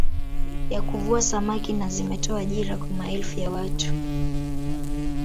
Ya kuvua saamki na zimetoa ajira kwa maelfu ya watu